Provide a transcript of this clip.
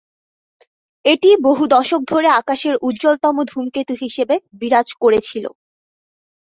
এটি বহু দশক ধরে আকাশের উজ্জ্বলতম ধূমকেতু হিসেবে বিরাজ করেছিল।